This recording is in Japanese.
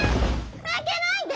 開けないで！